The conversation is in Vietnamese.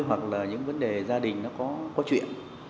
hoặc là những vấn đề gia đình nó có chuyện